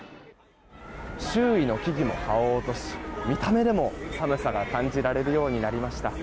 周囲の木々も葉を落とし見た目でも寒さが感じられるようになりました。